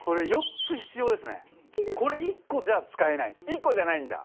１個じゃないんだ？